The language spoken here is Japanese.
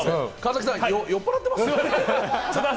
川崎さん酔っぱらってます？